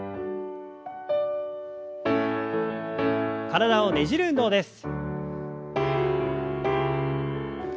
体をねじる運動です。